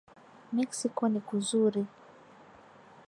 Mexico ni kuzuri